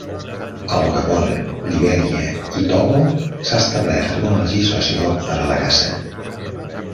Al Gabon, Libèria i Togo, s'ha establert una legislació per a la caça.